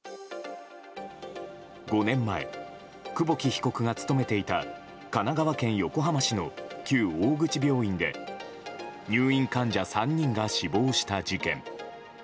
５年前、久保木被告が勤めていた神奈川県横浜市の旧大口病院で入院患者３人が死亡した事件。